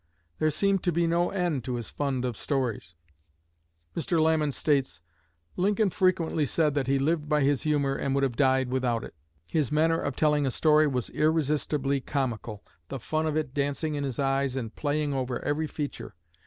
There seemed to be no end to his fund of stories." Mr. Lamon states: "Lincoln frequently said that he lived by his humor and would have died without it. His manner of telling a story was irresistibly comical, the fun of it dancing in his eyes and playing over every feature.